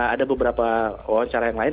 ada beberapa wawancara yang lain